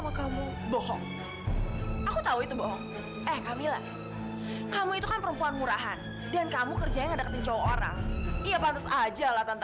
sampai jumpa di video selanjutnya